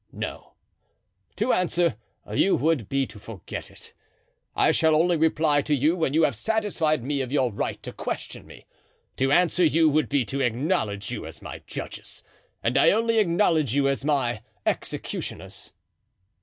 No. To answer you would be to forget it. I shall only reply to you when you have satisfied me of your right to question me. To answer you would be to acknowledge you as my judges, and I only acknowledge you as my executioners."